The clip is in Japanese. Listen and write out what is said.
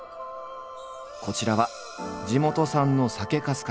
こちらは地元産の酒粕から。